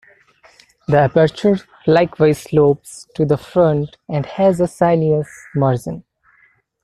The aperture likewise slopes to the front and has a sinuous margin.